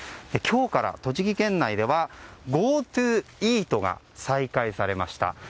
今日から栃木県内ではＧｏＴｏイートが再開されました。